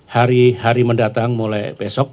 hari hari mendatang mulai besok